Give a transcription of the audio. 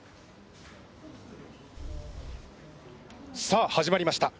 ☎さあ始まりました。